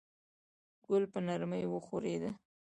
ګل په نرمۍ وښورېد.